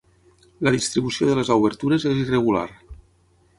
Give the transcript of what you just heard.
La distribució de les obertures és irregular.